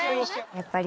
やっぱり。